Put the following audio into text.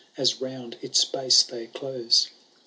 As round its base they close.